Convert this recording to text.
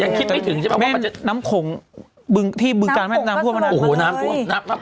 ยังคิดไม่ถึงใช่ป่ะว่ามันจะน้ำขงที่บึงกาลน้ำท่วมมานานเมื่อเคย